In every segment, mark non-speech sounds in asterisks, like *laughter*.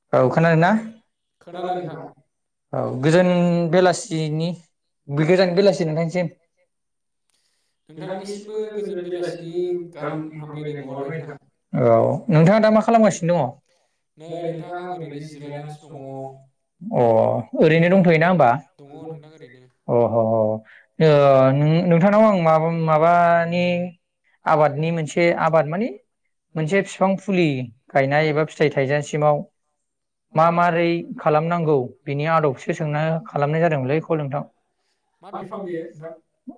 औ औ खोनादोंना? औ गोजान बेलासिनि गोजान बेलासि नोंथांनिसिम। नोथांनिसिमबो बेलासिनि गाहाम हामलायनाय बाउहरबाय नोंथां। औ नोंथाङा दा मा खालामगासिनो दङ? नै नोंथां नोंथां आं आरैनो जिरायनानैसो दङ'। अ ओरैनो दंथ'योना होमबा? अह अ -अ ओ नों -नोंथांनाव आं माबा माबानि आबादनि मोनसे आबाद मानि मोनसे बिफां फुलि गायनाय एबा फिथाइ थाइजासिमाव मा मारै खालामनांगौ बिनि आदबखौसो सोंना खालामनाय जादोंमोनलै कल नोंथां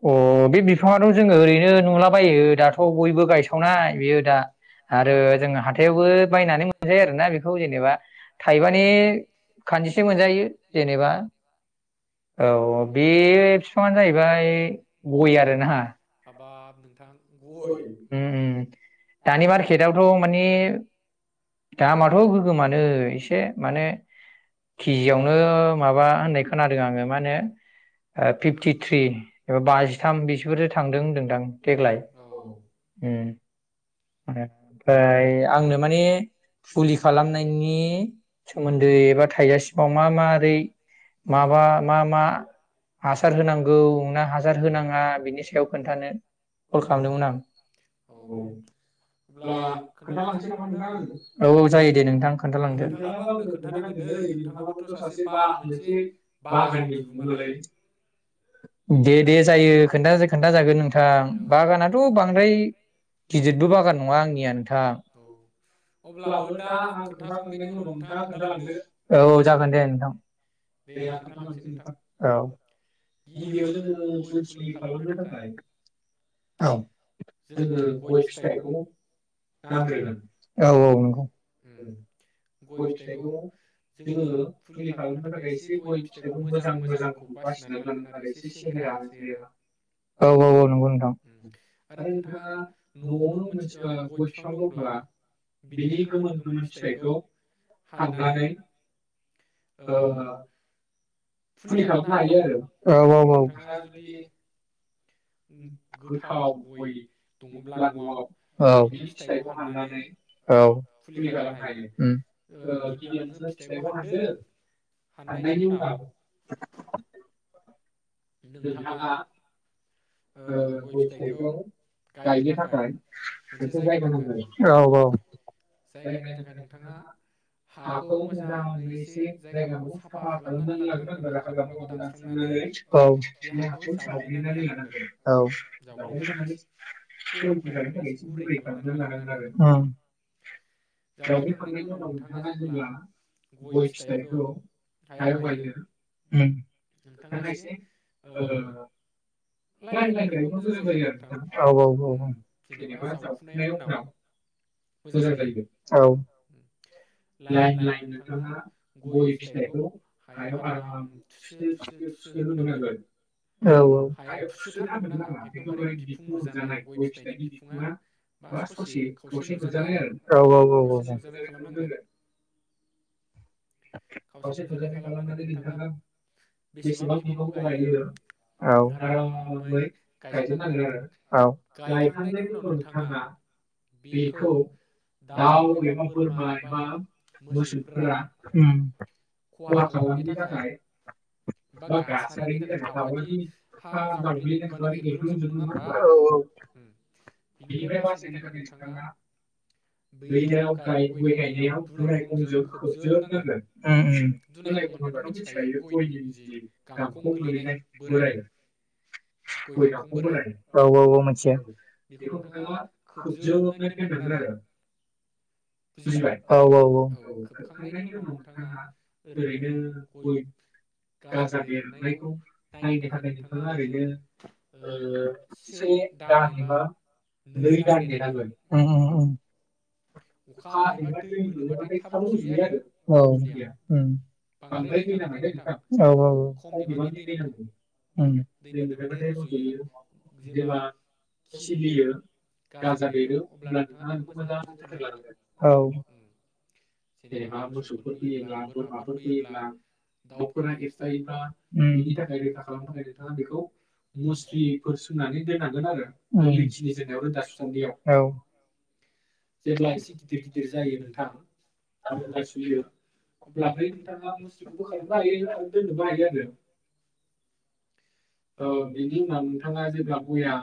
अ बे बिफाङाथ' जोङो ओरैनो नुलाबायो थ' बयबो गायसावनाय बेयो दा आरो जोङो हाथायावबो बायनानै मोनजायो आरोना बेखौ जेनेबा थाइबानि खान्दिसे मोनजायो जेनेबा। औ औ बे बिफाङानो जाहैबाय गय आरो ना। बाब नोंथां उम उम दानि मार्केटआवथ' माने दामाथ' गोगोमानो एसे माने केजियावनो माबा होननाय खोनादों आङो मानो ओ फिफटिथ्रि एबा बाजिथाम बिसोरफोरजो थांदों होनदोंदां देग्लाय। उम फ्राय ओ आंनो माने फुलि खालामनायनि सोमोन्दै एबा थाइजासिमाव मा मा रै माबा मा मा हासार होनांगौ ना हासार होनाङा बिनि सायाव खोनथानो हो‌ *unintelligible* खोन्थालांसै नामा नोंथां आङो औ औ जायो दे नोंथां खोन्थालांदो नोंथाङाबो आंनो खोन्थानांगोन दै नोंथाङाबोथ' सासे बा मोनसे बागाननि बिगोमालै। औ दे दे जायो खोनथा खोनथाजागोन नोंथां। बागानाथ' बांद्राय गिदिरबो बागान नङा आंनिया थां *unintelligible* औ जागोन दे नोंथां दे आं खिन्थालांनोसै नोंथां। औ गिबियाव जोङो गय फुलि खालामनो थाखाय औ जोङो गय फिथाइखौ नांग्रोगोन औ औ नंगौ गय फिथाइखौ जोङो फुलि खालामनो थाखाय एसे गय फिथाइखौ मोजां मोजां बासिनानै लानांगोन एसे सेहेरा सेहेरा। औ औ औ नंगौ नोंथां। आरो नोंथाङा न'आवनो मोनसे ओ गय बिफां दंब्ला बिनि गोमोन गोमोन फिथाइखौ हाननानै ओ फुलि खालामनो हायो आरो औ औ औ नोंथाङा जुदि उम गोथाव गय दङब्ला न'आव औ। फिथाइखौ हाननानै औ फुलि खालामनो हायो ओ गिबियावनोसो फिथाइखौ हानदो हाननायनि उनाव। नोंथाङा। ओ गय फिथाइखौ गायनो थाखाय मोनसे जायगा नांगोन औ-औ जायगानि थाखाय नोंथाङा हाखौ मोजाङै एसे जायगाखौ साफा खालामनानै लाग्रोनांगोन आरो हाग्रा बंग्राखौ दानस्रांनानै। औ बे हाखौ जावग्लिनानै लानांगोन। औ जावग्लिखांनानै एसे गुरै खालामना लानांगोन आरो अ जावग्लिखांनायनि उनाव नोंथाङा जेब्ला गय फिथाइखौ हायाव गायो ओम नोंथाङा एसे। औ। लाइन-लाइन गायोबा मोजां जायो आरो नोंथाङा औ-औ-औ-औ जेनेबा जावखुनायनि उनाव मोजां जायो औ लाइन-लाइन नोंथाङा गय फिथाइखौ हायाव आराम थुुसो-थुसो। *unintelligible* औ-औ। सोना होजोब नांआ बेफोर बै बिखुं नुजानाय गय फिथाइनि बिखुङा बा ससे खावसे नुजानाय आरो औ-औ-औ-औ खावसे नुजानाय खालामनांगोन। खावसे नुजानाय खालामनानै नोंथाङा बेसेबां बिबांखौ गायो औ आर'। मै गायजेननांगोन आरो औ गायखांनायनि उनाव नोंथाङा बेखौ दाउ एबा बोरमा एबा मोसौफोरा ओम। खहा खालामैनि थाखाय बा गासारिनि थाखाय दावादि हा *unintelligible* औ-औ जावग्लि। *unintelligible* दैआव गाय गय गायनायाव दुनायखंजों खोबजोबनांगोन। बोराय बुंङोबाथ' मिथिखायो गयनि जि गाखं गोलैनाय बोराय गय गांखं बोरायनाय औ-औ-औ मोनथि बेखौ नोंथाङा खोबजोबनानै दोननांगोन आरो। बुजिबाय? औ-औऔ। गोसोखांना दोन। नोंथाङा ओरैनो गय गाजा देरनायखौ नायनो थाखाय नोंथाङा ओरैनो से दान एबा नै दान नेनांगोन। अखा एबा दै मोनोबाथाय थाब रज'यो आरो औ ओम बांद्राय दै नाङा दै नोंथां औ-औ-औ खम बिबांनि दै नांगौ दै मोनोबाथाय रज'यो जेब्ला खिलियो गाजा बेरो अब्ला नोंथाङा बेखौ मोजांयै जो। *unintelligible* औ जेनेबा मोसौफोर फैयोब्ला बोरमाफोर फैयोब्ला नफोरा गेबजस्रायोब्ला बिनि थाखाय रैखा खालामनो थाखाय नोंथाङा बेखौ मुस्रिफोर सोंनानै दोननांगोन आरो *unintelligible* जोबनायाव रोदा सुनायाव औ। बेक लाइत *unintelligible* गिदिर-गिदिर जायो नोंथां रोदा सुयो अब्ला बै नोंथाङा मुस्रिखौ बोखारनोबो हायो आरो दोननोबो हायो आरो। औ बेनि उनाव नोंथाङा जेब्ला गया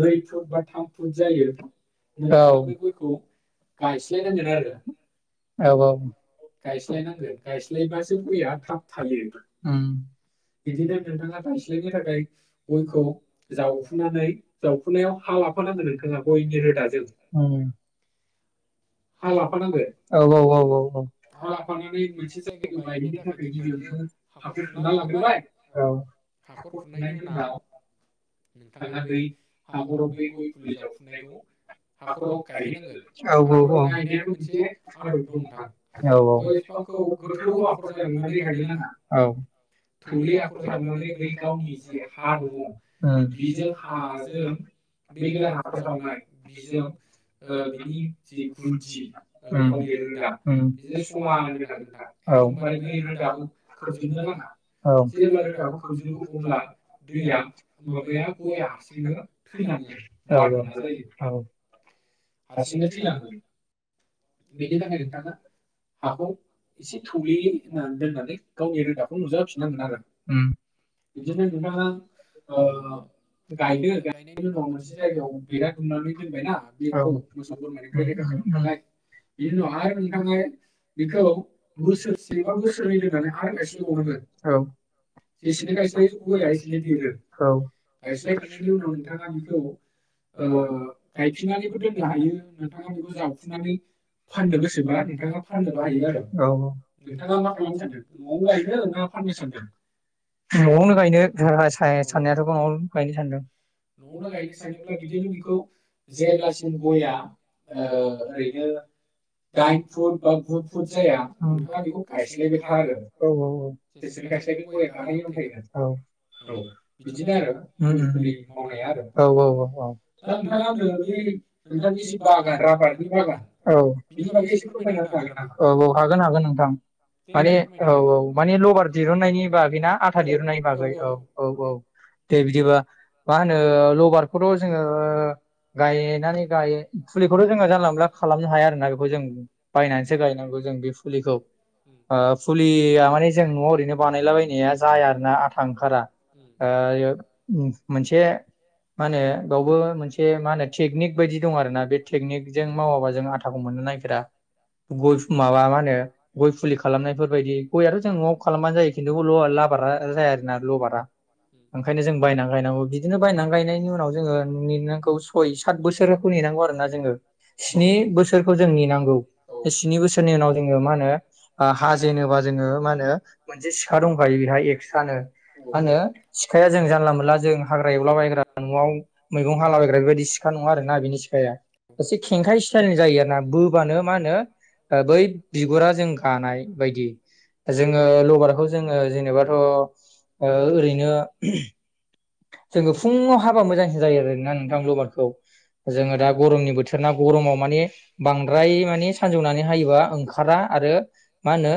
नै फुट बा थाम फुट जायो औ बेफोरखौ। गायस्लाय नांगोन आरो औ औ गायस्लायनांगोन गायस्लायबासो गया थाब थायो बिदिनो नोंथाङा गायस गायस्लायनो थाखाय गयखौ जाउखुनानै जावउखुनायाव हा लाफानांगोन नोंथाङा गयनि रोदाजों हा लाफानांगोन औ औ औ औ औ हा लाफानानै मोनसे जायगायाव गायहैनो थाखाय भिडनो आलड खालामना लाग्रोबाय औ खुनायनि उनाव नोंथाङा बै हाखराव बै गय फुलि जावफुनायखौ हाखराव गायहैनांगोन हाखराव *inaudible* औ औ औ *inaudible* गावनि जि हा दङ बिजों हाजों बे गोदान हाखर जावनाय बिजों बिनि जि *inaudible* ओम *inaudible* औ *inaudible* औ अब्ला दैया माबाया गया हनो फैनानै जायो औ *unintelligible* हारसिंनो थैलाङो बेनि थाखाय नोंथाङा हाखौ एसे थौलेयै होनना दोननानै गावनि रोदाखौ नुजाफिननांगोन आरो बिदिनो नोंथाङा गायदो गायनायनि उनाव मोनसे जायगायाव बेरा दुमनानै दोनबायना बेखौ *unintelligible* नालाय बिनि उनाव आरो नोंथाङा बेखौ बोसोरनैबा बोसोरनै होनोंनानै आरो गायस्लबावनांगोन औ जेसेनि गायस्लाय गया एसेन थैगोन औ गायस्लाय गायस्लनायनि उनाव नोंथाङा बेखौ गायफिननानैबो दोन *unintelligible* गोसोबा नोंथां फननोयो औ औ नोंथाङा मानो साननो नाङ सान न'आवनो गायनो साननायाथ' न'नो गायनो सानदोंआवनोयनो सानदों बिदिनोखौ ज गया ओ ओरैनो दाइन फुट बा गु फुट जाया बेखौ गायस्लायबाय था आरो औ दसोर गायस्लायनो गय माहनि अन्थायायनो औ औ बिदिनो आरो मावनाया आरो औ औ दा नोंथाङा होनो बे *unintelligible* औ बि फोरमायना औ औ हागोन हागोन नोंथां माने औ औ माने लबार दिरुननायनि बागैना आथा दहुननायनि बागै औ औ औ दे बिदिबा मा होनो लबारखौथ' जोङो गायनानै पुलि खौथ जोंङो जानला मानला खालामनो हाया आरोना बेखौ जों बायनानैसो गायनांगौ जों बे फुलिखौ फुलिया माने जों न'आव ओरैनो बानायलाबायनाया जाया आरोना आथा ओंखारा मोनसे मा होनो बेवबो मोनसे मा होनो टेकनिक बैयदि दं आरोना बे तेकनिग जों मावा जों आथाखौ मोननो नागेरा गइ सुमामा मा होनो गइ फुलि खालामनायफोरबाय गइ आथ जों न' खालाम बानो जायो खिन्थु लाबारा जाया आरोना लबारा ओंखनो जों बाय गायनांगौ बिदिनो बायनानै गायनायनि उनाव जोङो नेनांगौ सइ साद बोसोर बिसोराखौ नेनांगौ आरो ना जोङो स्नि बोसोरखौ जों न नांगौ बे स्नि बोसोरनि उनाव जोङो मा होनो हाजेनोबा जोङो मा होनो मोनसे सिखा दंखायो बेहाय एक्सट्रानो मा होनो सिखाया जों जानला मोनला जों हाग्रा एवलाबायग्रा न'आव मैगं हालाबायग्रा बेबायदि सिखा नङ नङ आरोना बिनि सिखाया ए खेंखाय स्ताइलनि जायो आरो ना बोबानो मा होनो ओ बै बिगुरा जों गानाय बायदि जोङो लबारखौ जोङो जेनेबाथ' ओरैनो *unintelligible* जोङो फुङाव हाबा मोजांसिन जायो आरोना नोंथां लबारखौ जोङो दा गरमनि बोथोरना गरमाव माने बांद्राय माने सानजौनानै हायोबा ओंखारा आरो मा होनो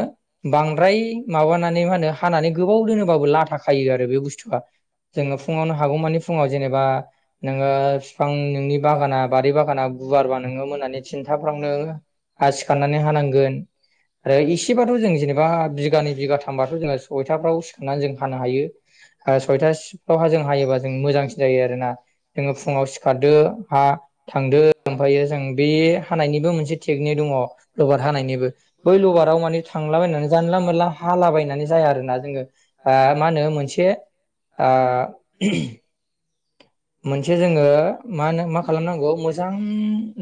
बांद्राय माबानानै मा होनो हानानै गोबाव दोनोबाबो लाथा खायो आरो बे बुस्थुआ। जोङो फुङावनो हागौमानि फुङाव जेनेबा नोङो बिफां नोंनि बागाना बारि बागाना गुवारबा नोङो मोनानि थिनथाफ्रावनो सिखारनानै हानांगोन आरो एसेबाथ' जों जेनेबा बिगानि बिगानै थाम बाथ' जोङो सयथाफ्राव सिखांनानै जों हानो हायो ओ सयथा स खहाजों हायोबा जों मोजांसिन जायो आरो नोना। जोङो फुङाव सिखारदो हा थांदो ओमफायो जों बे हानायनिबो मोनसे टेकनिक दङ लबार हानायनिबो बै लबाराव माने थांलाबायनानै जानला मोनला हालाबायनानै जाया आरोना जोङो ओ मा होनो मोनसे *unintelligible* मोनसे जोङो मा होनो मा खालामनांगौ मोजां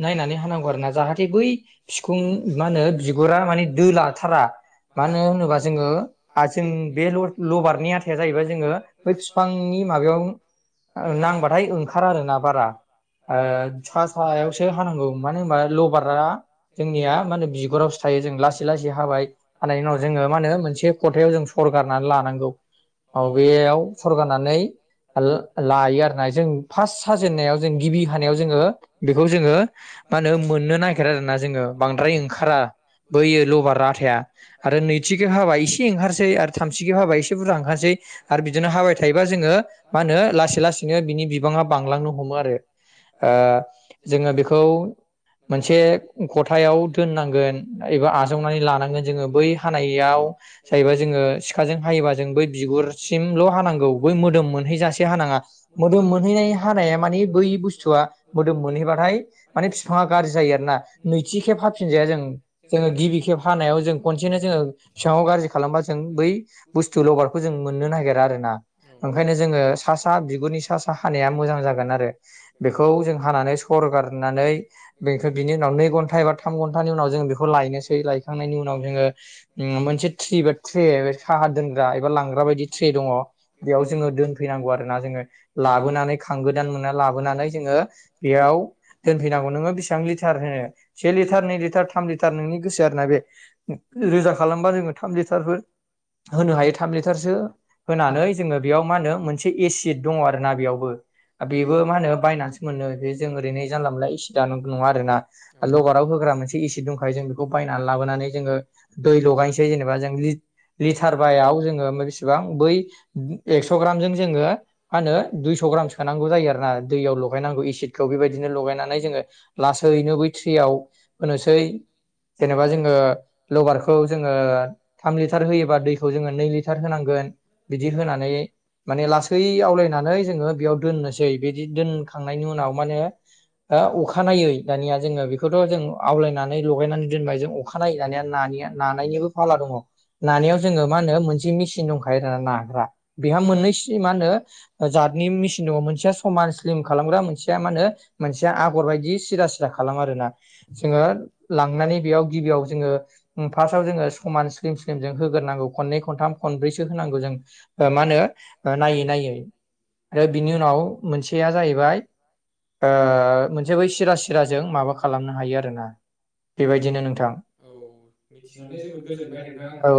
नायनानै हानांगौ आरोना जाहाथे बै बिखुं मा होनो बिगुरा माने दोलाथारा मानो होनोबा जोङो जों बे ल लबारनि आथा जाहैबाय जोङो बै बिफांनि माबायाव। नांबाथाय ओंखारा आरोना बारा ओ सा सायावसो हानांगौ मानो होनबा लबारा जोंनिया मा होनो बिगुरावसो थायो जों लासै लासै हाबाय हानायनि उनाव जोङो मा होनो मोनसे खथायाव जों सरगारनानै लानांगौ अ बेयाव सरगारनानै ओ लायो आरोना। जों फार्स्ट साजेननायाव जों गिबि हानायाव जोङो बेखौ जोङो मा होनो मोननो नागिरा आरोना जोङो बांद्राय ओंखारा बैयो लबार आथाया आरो नैथिखेब हाबा एसे ओंखारसै आरो थामथि खेब हाबा एसे बुरजा ओंखारसै आरो बिदिनो हाबाय थायोबा जोङो मा होनो ला एसे लासैनो बिबाङा बांलांनो हमो आरो ओ जोङो बेखौ मोनसे खथायाव दोननांगोन एबा आजावनानै लानांगोन जोङो बै हानायाव जाहैबा जोङो सिखाजों हायोबा जों बै बिगुरसिमल' हानांगौ बै मोदोम मोनहैजासे हानाङा। मोदोम मोनहैनाय हानाया माने बै बुस्थुआ मोदोम मोनहैबाथाय माने बिफाङा गाज्रि जायो आरो ना नैथि खेब हाफिनजाया जों जोङो गिबि खेब हानायाव जों खनसेनो जोङो बिफाङाव गाज्रि खालामबा जों बै बुस्थु लबारखौ जों मोननो नागिरा आरोना ओंखायनो जोङो सा *unintelligible* बिगुरनि सा सा हानाया मोजां जागोन आरो बेखौ जों हानानै सरगारनानै बेखौ बिनि उनाव नै घन्टा एबा थाम घन्टानि उनाव जों बेखौ लायनोसै लायखांनायनि उनाव जोङो मोनसे ट्रि बेग ट्रे साहा दोनग्रा एबा लांग्रा बायदि ट्रे दङ बेयाव जोङो दोनफैनांगौ आरो। *unintelligible* लाबोनानै खांगोदान मोनना लाबोनानै जोङो बेयाव दोनफैनांगौ नोङो बेसेबां लिटार होनो से लिटार नै लिटार थाम लिटार नोंनि गोसो आरोना बे रोजा खालामबा जोङो थाम लिटारफोर होनो हायो थाम लिटारसो होनानै जोङो बेयाव मा होनो मो से एसिद दं आरो। बेबो मा होनो बायनासो मोनो जों ओरैनोसो एसिदानो नंङा आरोना लबाराव होग्रा मोनसे एसिद दंखायो जों बिखौ बायनानै जोंङो दै लगायसै लि लिथारबायाव जोंङो बेसेबां बै एगस'ग्रामजों जोङो मा होनो दुइस' ग्राम सोनांगौ जायो आरो ना दैयाव लगायनांगौ एसिदखौ बेबायदिनो लगायनानै जोङो लासैनो बै थ्रियाव होनोसै जेनेबा जोङो लबारखौ जोङो थाम लिटार होयोबा दैखौ जोङो नै लिटार होनांगोन बिदि होनानै माने लासै आवलायनानै जोङो बेयाव दोननोसै बेदि दोनखांनायनि उनाव मा होनो ओ अखा नायै दानिया जोङो बेखौथ' जों आवायनानै लगायनानै दोनबाय जों अखा नायनानै आरो नानिया नानायनिबो फाला दङ नानायाव जोङो मा होनो मोनसे मेसिन दंखायो ना धाग्रा बेहा मोननै जि मा होनो ओ जातनि मेसिन दङ मोनसेया समान स्लिम खालामग्रा मोनसेया मा होनो मोनसेया आगर बायदि सिदा सिदा खालामो आरोना जोङो लांनानै बेयाव गिबियाव जोङो फार्स्टआव जोङो समान स्लिम स्लिम जों होग्रोनांगौ खननै खनथाम खनब्रैसो होनांगौ जों मा होनो ओ नायै नायै आरो बिनि उनाव मोनसेया जाहैबाय ओ मोनसे बै सिरा सिराजों माबा खालामनो हायो आरो ना बेबायदिनो नोंथां। औ।